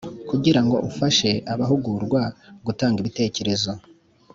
Kugira ngo ufashe abahugurwa gutanga ibitekerezo